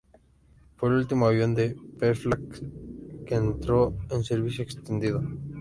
Fue el último avión de Pfalz que entró en servicio extendido.